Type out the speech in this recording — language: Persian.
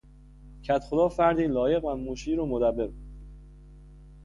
کدخدا فردی لایق و مشیر و مدبر بود.